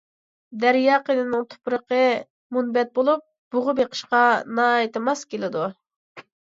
دەريا قېنىنىڭ تۇپرىقى مۇنبەت بولۇپ بۇغا بېقىشقا ناھايىتى ماس كېلىدۇ.